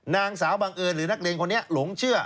นางสาวบังเอิญหรือนักเรียนคนนี้หลงเชื่อ